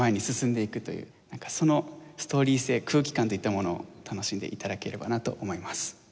なんかそのストーリー性空気感といったものを楽しんで頂ければなと思います。